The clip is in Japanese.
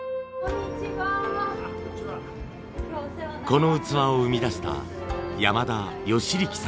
この器を生み出した山田義力さん。